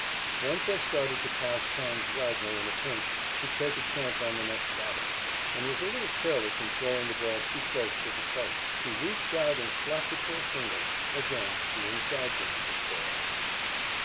Once I started to pass "Hans" Wagner in a pinch to take a chance on the next batter, and was a little careless in throwing the ball too close to the plate. He reached out and slapped it for a single. Again the "inside" game had failed.